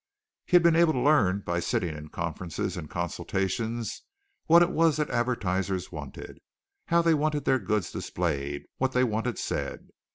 He had been able to learn by sitting in conferences and consultations what it was that advertisers wanted, how they wanted their goods displayed, what they wanted said.